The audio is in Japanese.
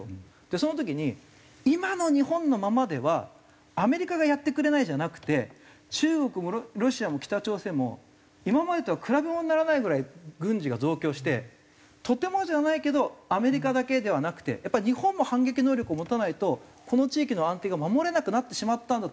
その時に今の日本のままではアメリカがやってくれないじゃなくて中国もロシアも北朝鮮も今までとは比べものにならないぐらい軍事が増強してとてもじゃないけどアメリカだけではなくてやっぱり日本も反撃能力を持たないとこの地域の安定が守れなくなってしまったんだと。